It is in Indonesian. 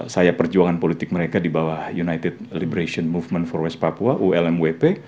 saya perjuangan politik mereka di bawah united liberation movement for west papua ulmwp